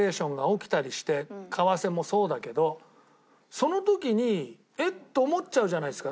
その時に「えっ！」っと思っちゃうじゃないですか。